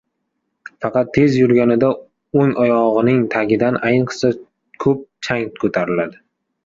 Faqat tez yurganida o‘ng oyog‘ining tagidan ayniqsa ko‘p chang ko‘tariladi.